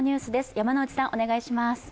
山内さん、お願いします。